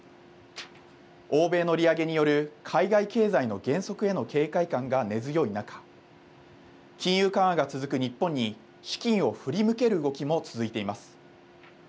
欧米の利上げによる海外経済の減速への警戒感が根強い中、金融緩和が続く日本に資金を振り向ける動きも続いています。